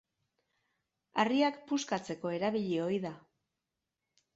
Harriak puskatzeko erabili ohi da.